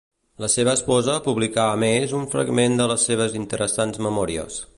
La seva esposa publicà a més un fragment de les seves interessants memòries.